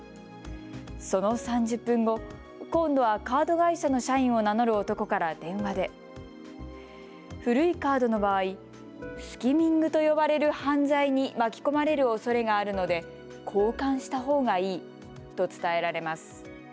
その３０分後、今度はカード会社の社員を名乗る男から電話で古いカードの場合、スキミングと呼ばれる犯罪に巻き込まれるおそれがあるので交換したほうがいいと伝えられます。